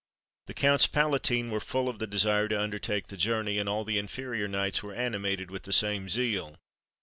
The Counts Palatine were full of the desire to undertake the journey, and all the inferior knights were animated with the same zeal.